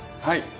はい。